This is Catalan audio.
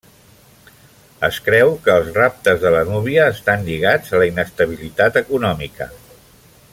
Es creu que els raptes de la núvia estan lligats a la inestabilitat econòmica.